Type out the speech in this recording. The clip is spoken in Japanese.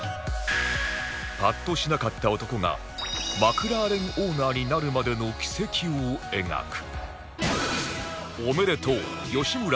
パッとしなかった男がマクラーレンオーナーになるまでの軌跡を描く